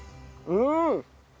うん！